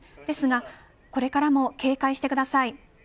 ですが、これからも警戒してください。